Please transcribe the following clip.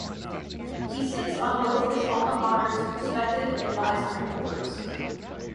He sits on both his "alma maters"' respective advisory boards.